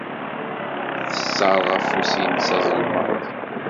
Tesserɣ afus-nnes azelmaḍ.